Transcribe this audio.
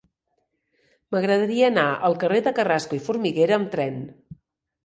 M'agradaria anar al carrer de Carrasco i Formiguera amb tren.